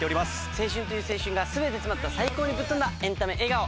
青春という青春が全て詰まった最高にぶっ飛んだエンタメ映画を。